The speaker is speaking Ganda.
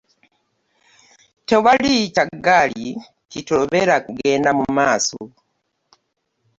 Tewali kya ggaali kitulobera kugenda mu maaso.